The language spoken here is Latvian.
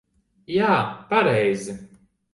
Jā, pareizi.